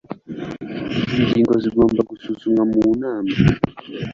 ingingo zigomba gusuzumwa mu nama